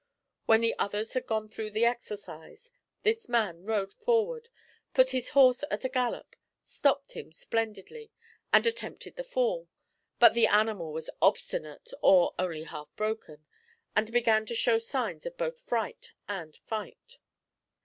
When the others had gone through the exercise, this man rode forward, put his horse at a gallop, stopped him splendidly, and attempted the fall; but the animal was obstinate or only half broken, and began to show signs of both fright and fight.